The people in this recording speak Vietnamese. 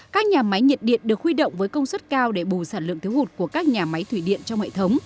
các nhà máy nhiệt điện được huy động với công suất cao để bù sản lượng thiếu hụt của các nhà máy thủy điện trong hệ thống